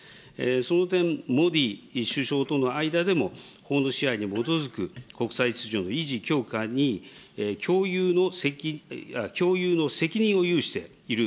その点、モディ首相との間でも、法の支配に基づく国際秩序の維持強化に共有の責任を有している、